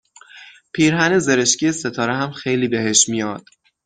پیرهن زرشکی ستاره هم خیلی بهش میاد